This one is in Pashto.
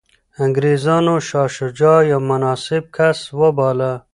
انګریزانو شاه شجاع یو مناسب کس وباله.